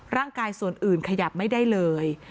ร่างกายส่วนอื่นขยับไม่ได้เลย